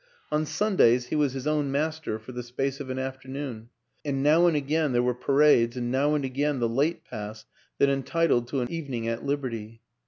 On Sun days he was his own master for the space of an afternoon, and now and again there were parades and now and again the " late pass " that entitled to an evening at liberty.